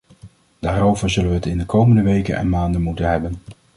Daarover zullen we het in de komende weken en maanden moeten hebben.